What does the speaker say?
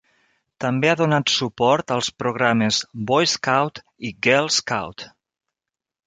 També ha donat suport als programes Boy Scout i Girl Scout.